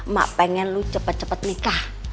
mak pengen lu cepet cepet nikah